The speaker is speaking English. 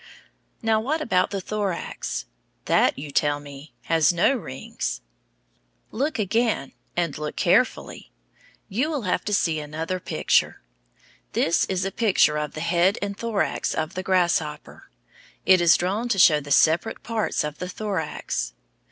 Now, what about the thorax? That, you tell me, has no rings. Look again, and look carefully. You will have to see another picture. This is a picture of the head and thorax of the grasshopper. It is drawn to show the separate parts of the thorax.